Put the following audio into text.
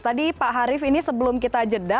tadi pak harif ini sebelum kita jeda